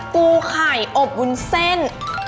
ปูไข่อบวุ้นเส้น